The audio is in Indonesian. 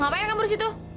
ngapain kamu disitu